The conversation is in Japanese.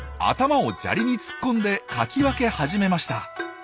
頭を砂利に突っ込んでかき分け始めました。